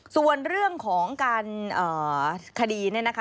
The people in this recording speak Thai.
ส่วนเรื่องของการคดีเนี่ยนะคะ